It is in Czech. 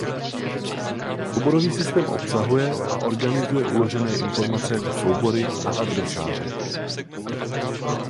Souborový systém obsahuje a organizuje uložené informace jako soubory a adresáře.